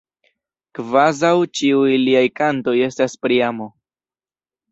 Kvazaŭ ĉiuj liaj kantoj estas pri amo.